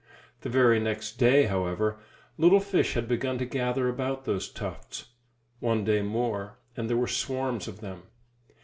The very next day, however, little fish had begun to gather about those tufts; one day more, and there were swarms of them.